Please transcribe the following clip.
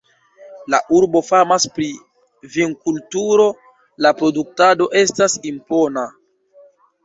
La urbo famas pri vinkulturo, la produktado estas impona.